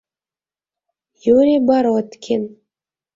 Юрий БОРОДКИН